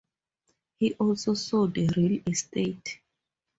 He also sold real estate.